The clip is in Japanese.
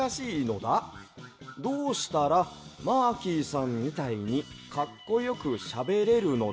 どうしたらマーキーさんみたいにかっこよくしゃべれるのダ？」。